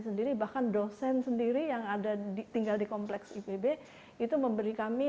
sendiri bahkan dosen sendiri yang ada di tinggal di kompleks ipb itu memberi kami